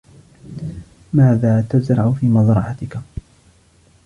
ماذا تزرع في مزرعتك؟